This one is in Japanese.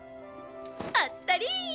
あったり！